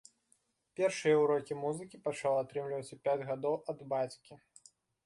Першыя ўрокі музыкі пачаў атрымліваць у пяць гадоў ад бацькі.